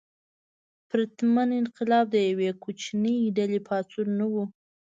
پرتمین انقلاب د یوې کوچنۍ ډلې پاڅون نه و.